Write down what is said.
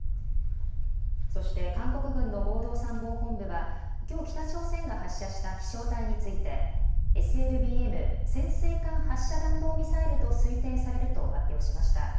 そして韓国軍の合同参謀本部はきょう北朝鮮が発射した飛しょう体についてＳＬＢＭ・潜水艦発射弾道ミサイルと推定されると発表しました。